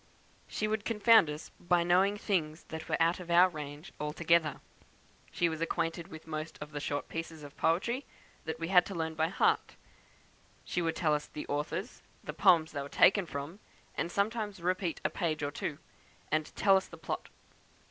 "She would confound us by knowing things that were out of our range altogether. She was acquainted with most of the short pieces of poetry that we had to learn by heart; would tell us the authors, the poems they were taken from, and sometimes repeat a page or two, and tell us the plot.